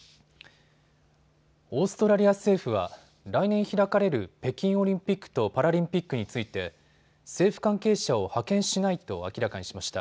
オーストラリア政府は来年開かれる北京オリンピックとパラリンピックについて政府関係者を派遣しないと明らかにしました。